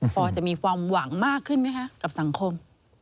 พอจะมีความหวังมากขึ้นไหมคะกับสังคม